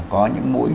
có những mũi